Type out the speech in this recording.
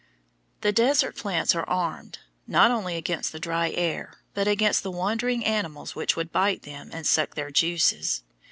The desert plants are armed, not only against the dry air, but against the wandering animals which would bite them and suck their juices.